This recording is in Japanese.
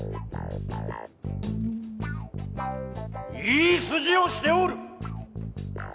いい筋をしておる！